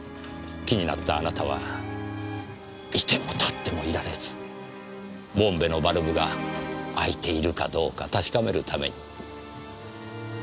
気になったあなたは居ても立ってもいられずボンベのバルブが開いているかどうか確かめるために。